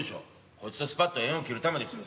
こいつとスパッと縁を切るためですよ。